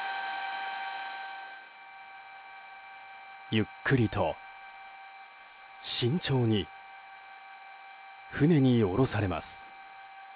ゆっくりと、慎重に船に下ろされます。